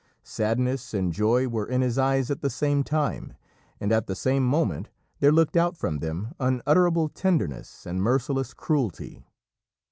Sadness and joy were in his eyes at the same time, and at the same moment there looked out from them unutterable tenderness and merciless cruelty.